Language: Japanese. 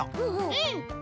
うん。